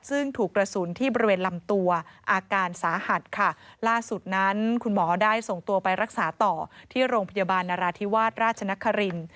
ซึ่งถูกกระสุนที่บริเวณลำตัวอาการสาหัสค่ะล่าสุดนั้นคุณหมอได้ส่งตัวไปรักษาต่อที่โรงพยาบาลนราธิวาสราชนคริน